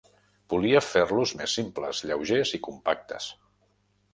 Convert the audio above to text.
Volia fer-los més simples, lleugers i compactes.